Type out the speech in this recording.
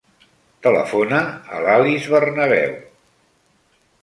Telefona a l'Alice Bernabeu.